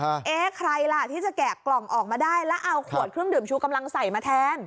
เอ๊ะใครล่ะที่จะแกะกล่องออกมาได้แล้วเอาขวดเครื่องดื่มชูกำลังใส่มาแทน